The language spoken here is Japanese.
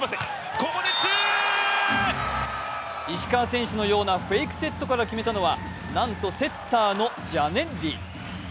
石川選手のようなフェイクセットから決めたのはなんとセッターのジャネッリ。